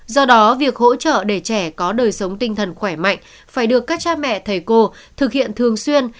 do đó việc hỗ trợ để trẻ có đời sống tinh thần khỏe mạnh phải được các cha mẹ thầy cô thực hiện thường xuyên